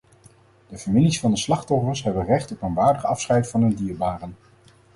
De families van de slachtoffers hebben recht op een waardig afscheid van hun dierbaren.